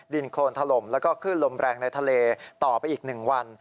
ดินโครนถล่มแล้วก็ขึ้นลมแรงในทะเลต่อไปอีก๑วัน